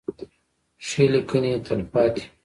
ښې لیکنې تلپاتې وي.